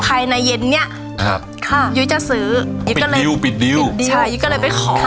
ภายในเย็นเนี้ยครับค่ะยุ้ยจะซื้อยุ้ยก็เลยดิวปิดดิวใช่ยุ้ยก็เลยไปขอ